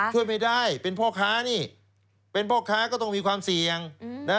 ช่วยไม่ได้เป็นพ่อค้านี่เป็นพ่อค้าก็ต้องมีความเสี่ยงนะ